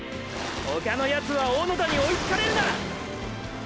他のヤツは小野田に追いつかれるな！！